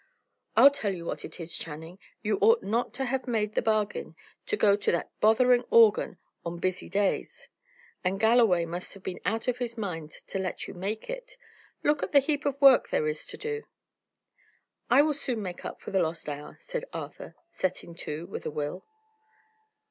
"I'll tell you what is, Channing; you ought not to have made the bargain to go to that bothering organ on busy days; and Galloway must have been out of his mind to let you make it. Look at the heap of work there is to do!" "I will soon make up for the lost hour," said Arthur, setting to with a will.